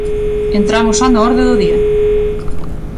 Entramos xa na orde do día.